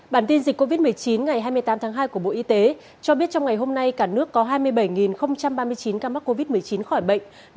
bản tin dịch covid một mươi chín ngày hai mươi tám tháng hai của bộ y tế cho biết trong ngày hôm nay cả nước có hai mươi bảy ba mươi chín ca mắc covid một mươi chín khỏi bệnh